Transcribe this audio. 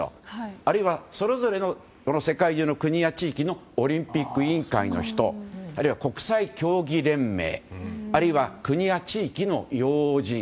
あるいはそれぞれの世界中の国や地域のオリンピック委員会の人あるいは国際競技連盟あるいは国や地域の要人。